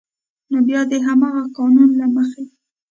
نو بیا د همغه قانون له مخې